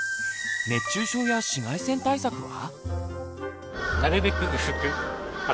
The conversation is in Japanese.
熱中症や紫外線対策は？